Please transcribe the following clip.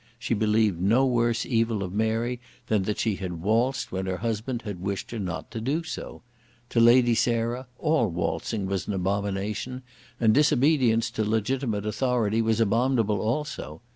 She believed no worse evil of Mary than that she had waltzed when her husband had wished her not to do so. To Lady Sarah all waltzing was an abomination, and disobedience to legitimate authority was abominable also.